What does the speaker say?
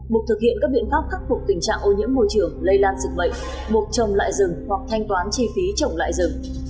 buộc thực hiện các biện pháp khắc phục tình trạng ô nhiễm môi trường lây lan dịch bệnh buộc trồng lại rừng hoặc thanh toán chi phí trồng lại rừng